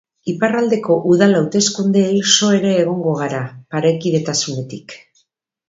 Iparraldeko udal hauteskundei so ere egongo gara, parekidetasunetik.